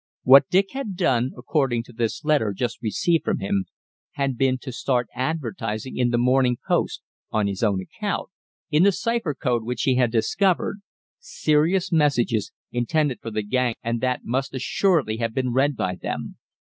What Dick had done, according to this letter just received from him, had been to start advertising in the Morning Post on his own account in the cypher code which he had discovered serious messages intended for the gang and that must assuredly have been read by them.